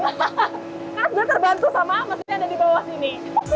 karena saya terbantu sama mesin yang ada di bawah sini